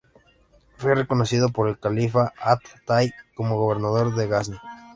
Fue reconocido por el califa At-Ta'i como gobernador de Gazni.